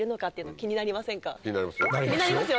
気になりますよ。